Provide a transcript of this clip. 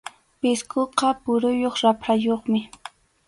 Pisquqa phuruyuq raprayuqmi.